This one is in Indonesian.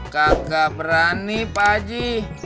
kagak berani pak aji